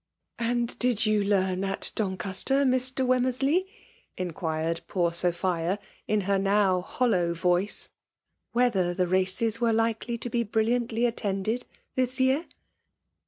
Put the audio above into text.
" And did you learn at Doncaster, Mr. Wemmersley/* inquired poor Sophia, in her now hollow voice, " whether the races wece likely to be brilliantly attended this year?